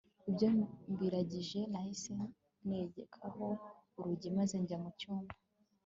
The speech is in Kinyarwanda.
Ibyo mbirangije nahise negekaho urugi maze njya mu cyumba